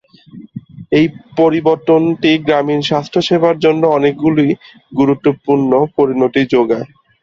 এই পরিবর্তনটি গ্রামীণ স্বাস্থ্যসেবার জন্য অনেকগুলি গুরুত্বপূর্ণ পরিণতি জোগায়।